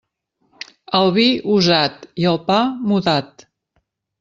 El vi, usat; i el pa, mudat.